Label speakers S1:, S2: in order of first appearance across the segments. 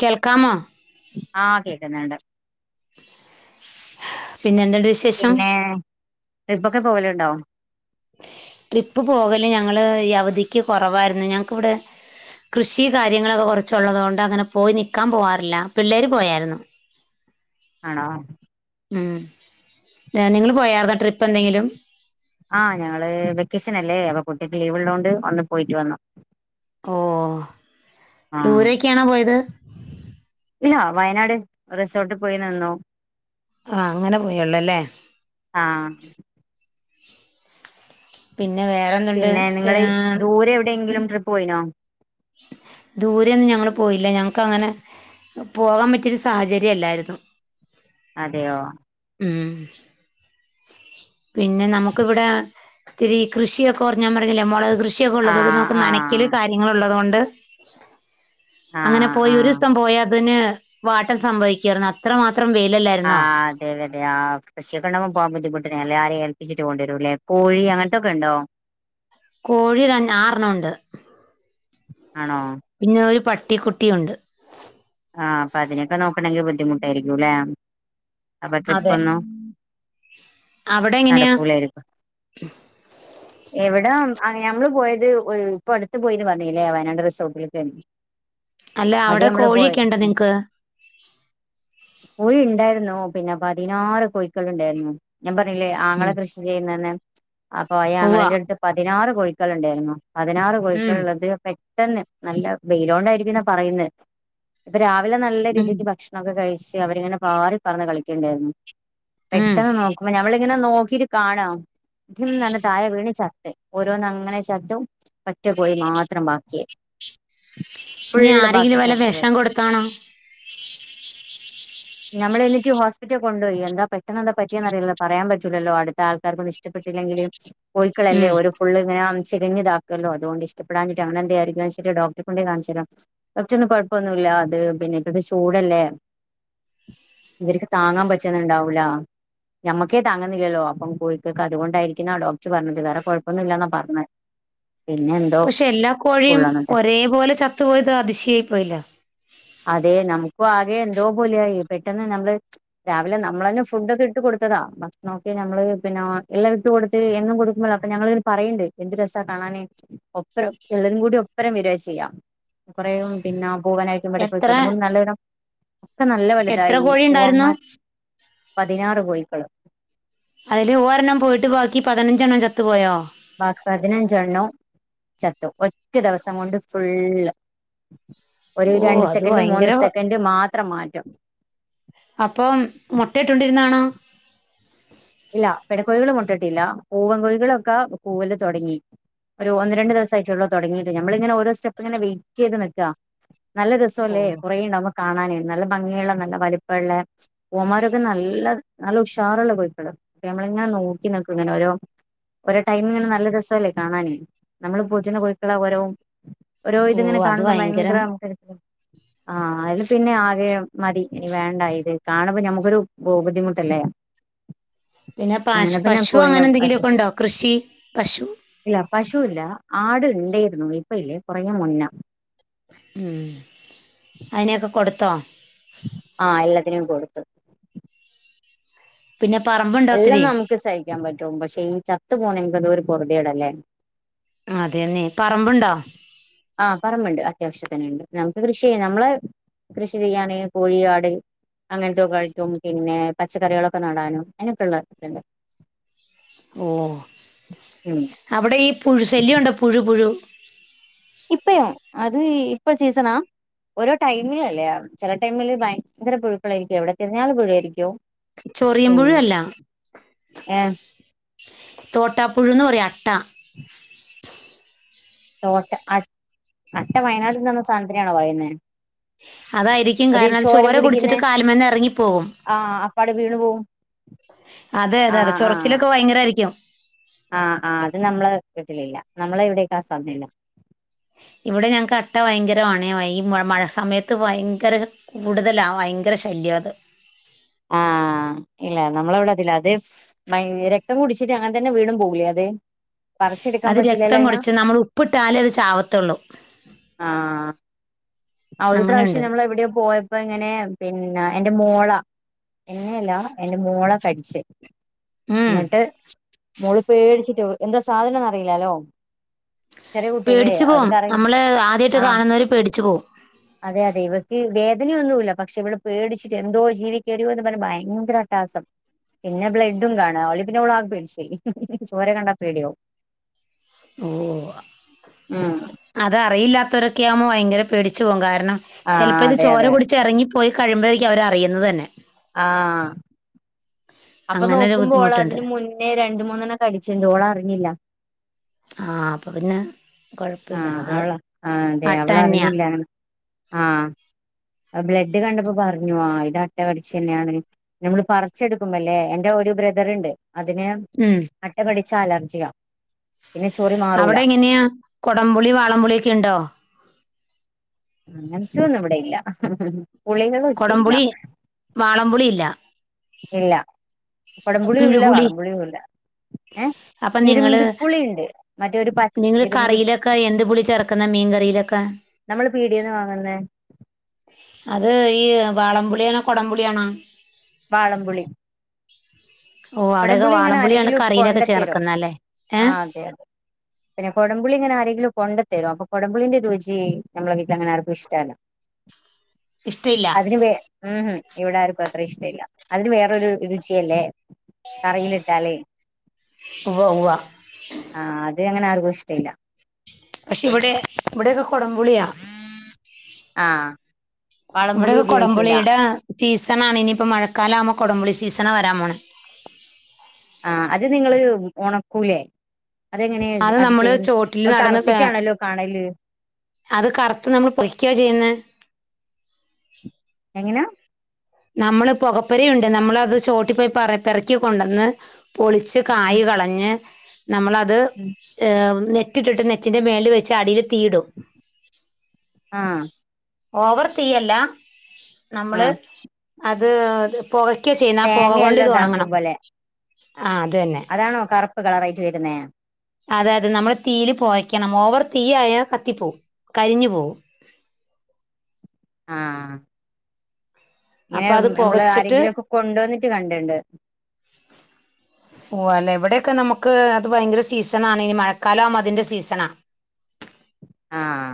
S1: കേൾക്കാമോ
S2: ആ കേക്ക്ന്ന്ണ്ട്
S1: പിന്നെ എന്തുണ്ട് വിശേഷം
S2: പിന്നെ ട്രിപ്പൊക്കെ പോവലുണ്ടോ?
S1: ട്രിപ്പ് പോകല് ഞങ്ങള് ഈ അവധിക്ക് കുറവായിരുന്നു ഞങ്ങക്കിവിടെ കൃഷി കാര്യങ്ങളൊക്കെ കുറച്ചൊള്ളത് കൊണ്ട് അങ്ങനെ പോയി നിക്കാൻ പോവാറില്ല പിള്ളേര് പോയായിരുന്നു
S2: ആണോ
S1: ഉം നിങ്ങള് പോയാരുന്നോ ട്രിപ്പ് എന്തെങ്കിലും
S2: ആ ഞങ്ങള് വെക്കേഷൻ അല്ലേ അപ്പോ കുട്ടിക്ക് ലീവ് ഉള്ളത് കൊണ്ട് ഒന്ന് പോയിറ്റ് വന്നു
S1: ഓ
S2: ആഹ്
S1: ദൂരെയൊക്കെയാണോ പോയത്
S2: ഇല്ല വയനാട് റിസോർട്ടിൽ പോയി നിന്ന്
S1: ആ അങ്ങനെ പോയെ ഉള്ളൂ ല്ലേ
S2: ആഹ്
S1: വേറെന്തുണ്ട്
S2: പിന്നെ
S1: ഏ
S2: നിങ്ങള് ദൂരെ എവിടെയെങ്കിലും ട്രിപ്പ് പോയിനോ
S1: ദൂരെയൊന്നും ഞങ്ങള് പോയില്ല ഞങ്ങ ക്കങ്ങനെ പോകാൻ പറ്റിയൊരു സാഹചര്യം അല്ലായിരുന്നു
S2: അതെയോ
S1: ഉം പിന്നെ നമ്മുക്കിവിടെ ഇത്തിരി കൃഷിയൊക്കെ ഓർ ഞാൻ പറഞ്ഞില്ലേ മുളക് കൃഷിയൊക്കെ ഉള്ളത് കൊണ്ട്
S2: ആഹ്
S1: നമ്മുക്ക് നനക്കില്
S2: ആഹ്
S1: കാര്യങ്ങൾ ഇള്ളതുകൊണ്ട് അങ്ങനെ
S2: ആഹ്
S1: പോയി ഒരു
S2: ആഹ്
S1: ദിവസം പോയാ അതിന് വാട്ടം സംഭവിക്കാർന്നു അത്രമാത് ത്രം വെയിലല്ലായിരുന്നോ
S2: ആഹ് [unintelligible] കൃഷിയൊക്കെ ഉണ്ടാവുമ്പോ പോകാൻ ബുദ്ധിമുട്ട് എല്ലാരേയും ഏൽപ്പിച്ചിട്ട് പോണ്ടിവരൂല്ലേ കോഴി അങ്ങനത്തൊക്കെ ഉണ്ടോ?
S1: കോഴി തന്നെ ആർണ്ണം ഉണ്ട്
S2: ആണോ
S1: പിന്നെ ഒരു പട്ട് ട്ടിക്കുട്ടിയുണ്ട്
S2: ആ അപ്പൊ അതിനൊക്കെ നോക്കണമെങ്കിൽ ബുദ്ധിമുട്ടായിരിക്കും അല്ലെ അപ്പൊ ട്രിപ്പ്
S1: അതെ
S2: ഒന്നും
S1: അവിടെ എങ്ങനെയാ
S2: നടക്കൂലായിരിക്കും ഇവിടാ ആ ഞമ്മള് പോയത് ഇപ്പൊ അടുത്ത് പോയിന്ന് പറഞ്ഞല്ലേ വയനാട് റിസോർട്ടിലേക്കയിരു
S1: അല്ല അവിടെ കോഴിക്കെ
S2: കോഴി ഉണ്ടായിരുന്ന ന്നു പിന്നെ പതിനാറ് കോഴിക്കള് ഉണ്ടായിരുന്നു ഞാൻ പറഞ്ഞില്ലേ ആങ്ങള
S1: ഉം.
S2: കൃഷി ചെയ്യുന്ന് അപ്പൊ
S1: ഉവ്വ
S2: ആയാങ്ങളന്റെടുത്ത് പതിനാറ് കോഴ മക്കൾ ഉണ്ടായിരുന്നോ പതിനാറ്
S1: ഉം
S2: കോയിക്കളുള്ളത് പെ ണ്ടെന്ന് ഇന്ന് നല്ല വെയിലോണ്ടായിരിക്കന്നാ പറയുന്ന ഇപ്പൊ രാവി അവ നല്ല
S1: ഉം.
S2: രീതിക്ക് ഭക്ഷണോക്കെ കഴിച്ചു പക്ഷേ അവരിങ്ങനെ പാറി പറന്ന് കളിക്കേണ്ടായിരുന്നു
S1: ഉം
S2: പെട്ടെന്ന് നോക്കുമ്പോ ഞമ്മള് എങ്ങനെ നോക്കീട്ട് കാണാം ഡിം തായെ വീണി ചത്ത ഓരോന്ന് അങ്ങനെ ചത്തും ഒറ്റ കോയി മാത്രം ബാക്കിയായി
S1: ഇനി
S2: ഫുള്ള് ബാക്കി
S1: ആരെങ്കിലും വല്ല വിഷം
S2: ചത്തു
S1: ന്നാൻ കൊടുത്താണോ
S2: നമ്മള എന്നിട്ട് ഹോസ്പിറ്റൽ കൊണ്ട്പയി എന്താ പെട്ടെന്താ പറ്റിയെന്ന അറില്ലോ പറയാൻ പറ്റില്ലല്ലോടുത്ത ആൾക്കാർക്കന്നും ഇഷ്ടപെട്ടില്ലെങ്കിലും കോഴിക്കളല്ലേ
S1: ഉം
S2: ഒരു ഫുള് ഇങ്ങനെ ചിരിഞ്ഞതാക്കുമല്ലോ അതുകൊണ്ട് ഇഷ്ടപെടാഞ്ഞിട്ട് അങ്ങാനെന്ത ആയിരിക്കും വെച്ചിട്ട് ഡോക്ടറെ കൊണ്ടേ കാണിച്ചതരാ ഡോക്ടറിന്ന് കുഴപ്പൊന്ന ഇല്ല അത് പിന്നെ ഇപ്പോഴത്തെ ചൂടല്ലേ ഇവർക്ക് താങ്ങാൻ പറ്റുന്നുണ്ടാവൂല ഞമ്മക്കേ താങ്ങുന്നില്ലല്ലോ അപ്പം കോഴിക്കൊക്ക അതുകൊണ്ടായിരിക്കുന്നാ ഡോക്ടർ പറഞ്ഞില്ല വേറെ കൊഴപ്പൊന്നും ഇല്ലന്നാ പറഞ്ഞ
S1: പക്ഷെ എല്ലാ കോഴിയും ഒരേപോലെ ചത്തു പോയത് അതിശയായി പോയില്ലേ
S2: അതെ നമക്കു ആകെ എ ന്തോ പോലെയായി പെട്ടെന്ന് നമ്മള് രാവിലെ നമ്മളന്നെ ഫുഡ ഒക്കെ ഇട്ട് കൊടുത്തതാ ഭക്ഷ നോക്കി നമ്മള് പിന്നെ എള്ള ഇട്ട് കൊടുത്ത് എന്നും കൊടുക്കുമ്പ അപ്പൊ ഞങൾ പറയണ്ട് എന്ത് രസം കാണാനൻ ഒപ്പരം എല്ലരും കൂടി ഒപ്പരം വെര ചെയ്യ കുറയും പിന്നെ പൂവനായിട്ടും പെടക്ക്
S1: എത്ര
S2: [unintelligible] നല്ലണം ഒക്കെ നല്ല
S1: എത്ര
S2: വലുതായി
S1: കോഴി ഉണ്ടായിരുന്നു
S2: പൂവന്മാർ പതിനാറ് കോഴികൾ
S1: അതില് ഒരെണ്ണം പോയിട്ട് ബാക്കി പതിനഞ്ചെണ്ണം ചത്തു പോയോ?
S2: ബാക്കി പതിനഞ്ചെണ്ണവും ചത്തു ഒറ്റ ദിവസം കൊണ്ട് ഫുൾ
S1: ഓ അത് ഭയങ്കര
S2: മാത്രം മാറ്റം
S1: അപ്പം മുട്ടയിട്ടുണ്ടിരുന്നാണോ
S2: ഇല്ല പിട കോഴികള മുട്ടിട്ടില്ല പൂവൻ കോഴികളൊക്കെ പൂവല് തുടങ്ങി ഒരു ഒന്ന് രണ്ട് ദിവസം ആയിട്ടുള്ളൂ തുടങ്ങിട്ട് ഞമ്മളിങ്ങനെ ഓരോ സ്റ്റെപ്പ് ഇങ്ങനെ വെയിറ്റ് ചെയ്ത് നിൽക്ക നല്ല
S1: ഓ
S2: രസംല്ലേ കുറയും നമക്ക് കാണാനായി നല്ല ഭംഗിയുള്ള നല്ല വലിപ്പള്ള പൂവന്മാരൊക്കെ നല്ല നല്ല ഉഷാറുള്ള കോഴക്കള്. നമ്മളിങ്ങനെ നോക്കി നിക്കും ഇങ്ങനെ ഓരോ ഓരോ ടൈമിങ്ങനെ നല്ല രസല്ലേ കാണാനേ നമ്മള് പോറ്റുന്ന കോഴികൾ ഓരോ ഓരോ
S1: ഓ
S2: ഇതിങ്ങനെ
S1: അത്
S2: കാണുമ്പോ ഭയങ്കര
S1: ഭയങ്കരം
S2: നമുക്കരു ആ അതില് പിന്നെ ആകെ മടി ഇനി വേണ്ട ഇത് കാണുമ്പ ഞമ്മുക്കൊരു ബുദ്ധിമുട്ടല്ലേ.
S1: പിന്നെ പശു
S2: അങ്ങനെ പിന്നെ
S1: പശു
S2: കോഴിനെ
S1: അങ്ങനെ എന്തെങ്കിലുമൊക്കെണ്ടോ കൃഷി പശു?
S2: ആടു ഉണ്ടായിരുന്നു ഇപ്പ ഇല്ലേ കുറെ മുന്ന.
S1: ഉം അതിനെയൊക്കെ കൊടുത്തോ?
S2: ആ എല്ലാത്തിനേം കൊടുത്തു.
S1: പിന്നെ പറമ്പുണ്ടോ
S2: എല്ലാം
S1: ഒത്തിരി
S2: നമുക്ക് സഹിക്കാൻ പറ്റും പക്ഷെ ഈ ചത്തു പോണെ തൊരു പൊറുതേടല്ലേ.
S1: അതെയെന്നെ പറമ്പുണ്ടോ?
S2: അത്യാവശ്യം തന്നെയുണ്ട് നമുക്ക് കൃഷി ചെയ്യാം നമ്മളെ കൃഷി ചെയ്യാനിൽ കോഴി, ആട് അങ്ങനത്തോക്കെ ആയിട്ടും പിന്നെ പച്ചക്കറികളൊക്കെ നടാനും, അയിനൊക്കെള്ള ഇതിണ്ട്.
S1: ഓ
S2: ഉം
S1: അവിടെ ഈ പുഴു ശല്യണ്ടോ പുഴു പുഴു?
S2: ഇപ്പയോ അത് ഇപ്പ സീസണാ ഓരോ ടൈമിലല്ലേ ചില ടൈമില് ഭയങ്കര പുഴുക്കളായിരിക്കും എവിടെ തിരഞ്ഞാല് പുഴു ആയിരിക്കും.
S1: ചൊറിയൻപുഴു അല്ല
S2: ഏ
S1: തോട്ടാപ്പുഴൂന്ന് പറയും. അട്ട
S2: തോട്ട അ അട്ട വയനാട്ടിൽ വന്ന സാനത്തിനെയാണോ പറയുന്നേ
S1: അതായിരിക്കും.
S2: ഒരു
S1: കാരണം അത് ചോര
S2: കുടിക്കുന്നെ
S1: കുടിച്ചിട്ട് കാലുമെന്ന് എറങ്ങിപ്പോകും
S2: അപ്പാടെ വീണു പോവും
S1: അതെ അതെ
S2: ആ
S1: അതെ
S2: ആ
S1: ചൊറച്ചിലൊക്കെ ഭയങ്കരായിരിക്കും
S2: ആ ആ അത് നമ്മള് വീട്ടിലില്ല നമ്മള ചവിടേക്ക ആസാധനില്ല
S1: ഇവിടെ ഞങ്ങക്ക് അട്ട ഭയങ്കരമാണേ. ഈ മഴ സമയത്ത് ഭയങ്കര കൂടുതലാ. ഭയങ്കര ശല്ല്യാത്.
S2: ആഹ് ഇല്ല നമ്മളെവിടെ അതില്ല. അത് മയ് രക്തം കുടിച്ചിട്ട് അങ്ങനെ തന്നെ വീണും പോവൂലേ അത് പറച്ചെടുക്കാൻ
S1: അത്
S2: പറ്റില്ലല്ലോ
S1: രക്തം
S2: അയ്നാ.
S1: കുടിച്ച് നമ്മൾ ഉപ്പിട്ടാലേ അത് ചാവത്തുള്ളൂ
S2: ആ ആ ഒരു
S1: അങ്ങനെയുണ്ട്
S2: പ്രാവശ്യം നമ്മൾ എവിടെയോ പോയപ്പ ഇങ്ങനെ പി ന്ന എന്റെ മോളാ എന്നെയല്ലാ എന്റെ മോളെ കടിച്ച്
S1: ഉം
S2: എന്നിട്ട് മോള് പേടിച്ചിട്ട് എന്താ സാധനംന്ന് അറിയില്ലാലോ ചെറിയ കുട്ടിയല്ലേ
S1: പേടിച്ചു പോവും
S2: അവർക്കറിയി
S1: നമ്മള് ആദ്യട്ട്
S2: ആഹ്
S1: കാണുന്നര് പേടിച്ചു പോവും
S2: അതിനൊന്നുല്ല പക്ഷെ ഇവിടെ പേടിച്ചിട്ട് എന്തോ ജീവി [unintelligible] പറഞ്ഞ ഭയങ്കര അട്ടാസം പിന്നെ ബ്ലഡും കാണ അവളി പിന്നെ ആകെ പേടിചോയി ചോര കണ്ടാ പേടിയവും
S1: ഓ
S2: ഉം
S1: അതറിയില്ല [unintelligible] ആവുമ്പോ ഭയങ്കര പേടിച്ച് പോവും കാരണ [unintelligible]
S2: ആഹ്
S1: ചെലപ്പോ ഇത്
S2: അതെ
S1: ചോര
S2: അതെ
S1: കുടിച്ചെറങ്ങി പോയി കഴുമ്പോഴേക്കും അവർ അറിയുന്നത് തന്നെ.
S2: ആഹ് അപ്പൊ
S1: അങ്ങനെ ഒരു
S2: നോക്കുമ്പോൾ ഓൾ
S1: ബുദ്ധിമുട്ടുണ്ട്
S2: അതിന് മുന്നേ രണ്ട മൂന്നെണ്ണം കടിച്ചിണ്ട് ഓള് അറിഞ്ഞില്ല.
S1: ആഹ് അപ്പൊ പിന്നെ കുഴപ്പമില്ല
S2: ആഹ്
S1: അത്
S2: അവളാ ആ അതെ
S1: അട്ട
S2: അവള്
S1: തന്നെയാ
S2: അറിഞ്ഞില്ലാ ആഹ് ബ്ലഡ് കണ്ടപ്പോ പറഞ്ഞു ആ ഇത് അട്ടകടിച്ചന്നെയാണ് നമ്മള് പറച്ചെടുക്കുമ്പല്ലേ എന്റെ ഒരു ബ്രദറ്ണ്ട് അതിനെ
S1: ഉം
S2: അട്ടകടി അലർജിയാ പിന്നെ ചൊറി മാറൂല
S1: അവിടെ എങ്ങനെയാ കൊടംപുളി വാളംപുളിയൊക്കെ ഇണ്ടോ?
S2: അങ്ങനത്തൊന്നും ഇവിടെയില്ല.
S1: കൊടംപുളി, വാളംപുളി ഇല്ല.
S2: ഇല്ല കുടംപുളിയും ഇല്ല
S1: പിഴുപുളി
S2: വളംപുളിയും ഇല്ല ഏ
S1: അപ്പൊ നിങ്ങള്
S2: ഇരുമ്പിപ്പുളിയുണ്ട് മറ്റെ ഒരു പച്ച്
S1: നിങ്ങള്
S2: ഇരുമ്പി
S1: കറിയിലൊക്കെ എന്ത് പുളി ചേർക്കുന്ന മീൻ കറിയിലൊക്കെ
S2: നമ്മൾ പീടിയേന്ന് വാങ്ങുന്നേ
S1: അത് ഈ വാളംപുളിയാണോ കൊടംപുളിയാണോ?
S2: വാളമ്പുളി.
S1: ഓ അവിടെയൊക്കെ
S2: കൊടംപുളി ഇങ്ങനെ
S1: വാളംപുളിയാണ്
S2: ആരെങ്കിലും
S1: കറിയിലൊക്കെ
S2: കൊണ്ടെത്തരും
S1: ചേർക്കുന്ന അല്ലേ ഏ
S2: ആഹ് അതെ അതെ പിന്നെ കൊടംപുളി ഇങ്ങനെ ആരെ ലും കൊണ്ട തരും അപ്പൊ കൊടമ്പുളീന്റെ രുചി നമ്മളെ വീട്ടിൽ അങ്ങനെ ആർക്കും ഇഷ്ട്ടല്ല
S1: ഇഷ്ടമില്ല
S2: അതിന് വെ ഹ് ഹും ഇവിടാർക്കും അത്ര- അത്ര ഇഷ്ടയില്ല അതിന് വേറൊരു രുചിയല്ലേ കറിയിലിട്ടാലേ
S1: ഉവ്വ ഉവ്വ
S2: ആഹ് അത് അങ്ങനെ ആർക്കും ഇഷ്- ഇഷ്ടയില്ല
S1: പക്ഷെ ഇവിടെ ഇവിടെയൊക്കെ കൊടംപുളിയാ
S2: ആഹ് വളംപുളി
S1: ഇവിടൊക്കെ
S2: ഉപയോഗിക്കൂല
S1: കൊടംപുളിടെ- സീസണാണ് ഇനിയിപ്പോ മഴക്കാലം ആവുമ്പോ കൊടംപുളി സീസണാ വരാൻ പോണെ
S2: ആഹ് അത് നിങ്ങള് ഒണക്കൂലെ അതെങ്ങനെയാ അത്
S1: നമ്മള്
S2: ചെയ്യല്
S1: ചോട്ടിൽ
S2: അത്
S1: നടന്ന് പേ-
S2: കറപ്പിച്ചാണല്ലോ കാണല്
S1: അത് കറുത്ത് നമ്മൾ പൊരിയ്ക്കോ ചെയ്യുന്നേ [unintelligible]
S2: എങ്ങനാ
S1: നമ്മള് പുകപ്പരുണ്ട് നമ്മളത് ചോട്ടി പോയി പറ പെറക്കിക്കൊണ്ടന്ന് പൊളിച്ച്
S2: ഉം
S1: കായ് കളഞ്ഞ് നമ്മളത്
S2: ഉം
S1: ഹേ നെ റ്റിട്ട്ട്ട് നെറ്റിന്റെ മേളിൽ വെച്ച് അടീല് തീയ്യ്ടും
S2: ആഹ്
S1: ഓവർ തീയല്ല നമ്മള്
S2: ആഹ്
S1: അത് അത് ത്പ് പുകയ്ക്കോ ചെയ്യുന്നേ പുക കൊണ്ട്
S2: തേങ്ങയെല്ലാം
S1: ഇത്
S2: ഇതാക്കും
S1: ഒണങ്ങണം
S2: പോലെ അതാണോ കറുപ്പ് കളറായി വരുന്നേ?
S1: അതെ അതെ നമ്മള് തീയില് പൊകക്കണം ഓവർ തീ ആയാാൽ കത്തി പോവും കരിഞ്ഞു പോവും
S2: ആഹ ഇങ്ങനെ
S1: അപ്പം അത്
S2: നമ്മള്
S1: പുകച്ചിട്ട്
S2: ആരെങ്കിലും ഒക്കെ കൊണ്ടുവന്നി കണ്ടിണ്ട്
S1: ഓ അല്ല ഇവിടെയൊക്കെ നമുക്ക് അത് ഭയങ്കര സീസൺ ആണ് നി മഴക്കാലാവുമ്പോ അതിന്റെ സീസണാ
S2: ആഹ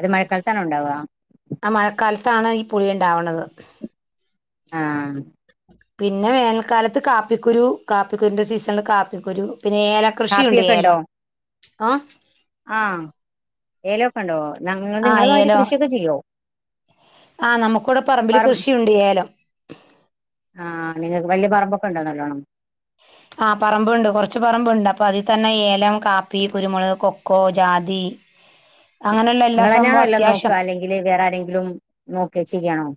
S2: അത് മഴക്കാലത്താണോ ഉണ്ടാവുക?
S1: ആ മഴക്കാലത്താണ് ഈ പുളിയുണ്ടാവണത്
S2: ആഹ
S1: പിന്നെ വേനൽക്കാലത്ത് കാപ്പിക്കുരു കാപ്പിക്കുരുന്റെ സീസണില് കാപ്പിക്കുരു പിന്നെ ഏല കൃഷിയുണ്ട്
S2: കാപ്പിയൊക്കെ ഉണ്ടോ
S1: ഏലം ആ
S2: ഏലോക്കെ ഉണ്ടോ നമ്മൾ
S1: ആ
S2: നിങ്ങളെ മാതിരി
S1: ഏലം
S2: കൃഷിയൊക്കെ ചെയ്യോ?
S1: ആ നമുക്കിവിടെ പറമ്പില്
S2: പറ
S1: കൃഷി ഉണ്ട് ഏലം
S2: വല്യ പറമ്പൊക്കെ ഉണ്ടോ നല്ലോണം?
S1: ആഹ പറമ്പുണ്ട് കുറച്ചു പറമ്പുണ്ട് അപ്പൊ അതിൽ തന്നെ ഏലം കാപ്പി കുരുമുള്ക് കൊക്കോ ജാതി അങ്ങനെയുള്ള എല്ലാ
S2: നിങ്ങൾ തന്നെയാണോ
S1: സംഭവം
S2: എല്ലാം നോക്ക
S1: അത്യാവശ്യം
S2: അല്ലെങ്കില് വേറെ ആരെെങ്കിലും നോക്കേ ചെയ്യണോ?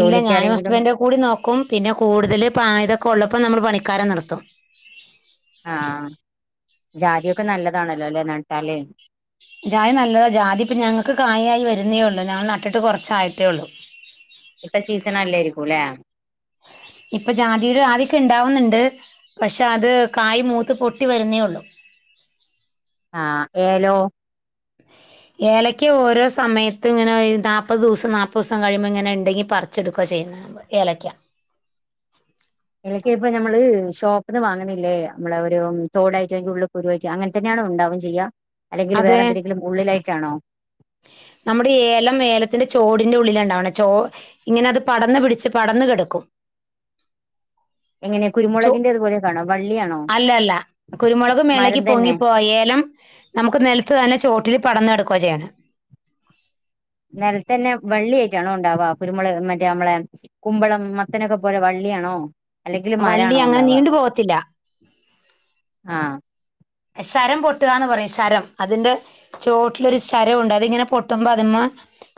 S1: ഇല്ല ഞാനും ഹസ്ബൻഡും കൂടി നോക്കും പിന്നെ കൂടുതൽ പായതൊക്കെ ഉള്ള അപ്പം നമ്മള് പണിക്കാരെ നിർത്തും
S2: ആഹ് ജാതിയൊക്കെ നല്ലതാ നട്ടാല്
S1: ജായ നല്ലതാ ജാതി ഇപ്പം ഞങ്ങൾക്ക് കായായി വരുന്നേയുള്ളു ഞങ്ങൾ നട്ടിട്ട് കുറച്ചായിട്ടേ ഉള്ളു
S2: ഇപ്പൊ സീസൺ അല്ലായിരിക്കുംല്ലേ
S1: ഇപ്പൊ ജാതിയുടെ ആദ്യൊക്കെ ഉണ്ടാവുന്നുണ്ട് പക്ഷെ അത് കായ് മൂത്ത് പൊട്ടി വരുന്നേ ഒള്ളു
S2: ആ ഏലോ?
S1: ഏലയ്ക്ക ഓരോ സമയത്തും ഇങ്ങനെ നാപ്പത് ദിവസം നാപ്പത് ദിവസം കഴിയുമ്പോൾ ഇങ്ങനെ ണ്ടെങ്കി പറിച്ചെടുക്ക ചെയ്യുന്നത് ഏലക്ക
S2: ഏലക്ക ഇപ്പൊ നമ്മള് ഷോപ്പിന്ന് വാങ്ങുന്നില്ലേ നമ്മളെ ഒരു തോടായിട്ട് അതിന്റെ ഉള്ള് കുരുവായിറ്റ് അങ്ങനെ തന്നെയാണോ ഉണ്ടാവും ചെയ്യാ? അല്ലെങ്കിൽ
S1: അതെ
S2: വേറെ എന്തെങ്കിലും ഉള്ളിലായിട്ടാണോ
S1: നമ്മുടെ ഏലം ഏലത്തിന്റെ ചോടിന്റെ ഉള്ളില ഉണ്ടാവണെ ചോ ഇങ്ങനെ അത് പടർന്ന് പിടിച്ച് പടന്ന് കേടക്കും
S2: എങ്ങനെ
S1: ചൊ
S2: കുരുമുളകിന്റെ അതുപോലെ കാണോ വള്ളിയാണോ
S1: അല്ല അല്ല കുരുമുളക് മേളേക്ക്
S2: മരം തന്നെ
S1: പൊങ്ങിപ്പോവാ ഏലം നമുക്ക് നിലത്ത് തന്നെ ചോട്ടിൽ പടന്ന് കേടക്കുവാ ചെയ്യാനത്
S2: നിലത്തെന്നെ വള്ളിയായിട്ടാണോ ഉണ്ടാവാ കുരുമുളക് മറ്റേ നമ്മളെ കുമ്പളം മത്തനൊക്കെ പോലെ വള്ളിയാണോ? അല്ലെങ്കിൽ
S1: വള്ളി
S2: മരാണോ
S1: അങ്ങനെ
S2: ഉണ്ടാവാ
S1: നീണ്ടു പോവത്തില്ല
S2: ആഹ്
S1: ശരം പൊട്ടുകന്ന് പറയും ശരം അതിന്റെ ചുവട്ടിലൊരു ശരമുണ്ട് അതിങ്ങനെ പൊട്ടുമ്പോ അതിമേ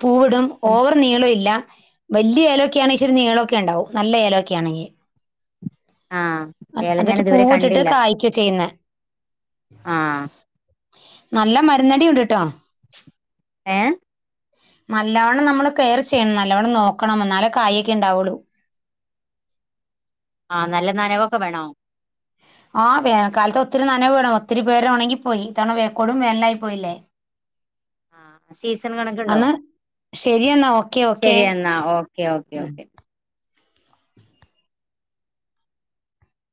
S1: പൂവിടും ഓവർ നീളം ഇല്ല വല്യ ഏലൊക്കെ ആണെങ്കിൽ ഇച്ചരി നീളമൊക്കെ ഉണ്ടാവും നല്ല ഏലൊക്കെ ആണെങ്കി
S2: ആഹ് ഏലം ഞാൻ
S1: അന്നിട്ട്
S2: ഇതുവരെ
S1: പൂവിട്ട്ട് കായ്ക്ക ചെയ്യുന്നേ
S2: ആ
S1: നല്ല മരുന്നടിണ്ട്ട്ടോ
S2: ഏ
S1: നല്ലവണ്ണം നമ്മള് കെയർ ചെയ്യണം നല്ലോണ്ണം നോക്കണം എന്നാലേ കായൊക്കെ ണ്ടാവുള്ളൂ
S2: ആ നല്ല നനവൊക്കെ വേണോ
S1: ആ വേനൽ കാലത്ത് ഒത്തിരി നനവ് വേണം ഒത്തിരി പേര്ടെ ഒണങ്ങി പോയി ഇത്തവണ കൊടും വേനലായി പോയില്ലേ
S2: ആ സീസൺ കണക്ക്‌ണ്ടോ
S1: ശരി എന്നാ ഓ
S2: ശരിയെന്നാ ഓക്കെ ഓക്കെ ഓക്കെ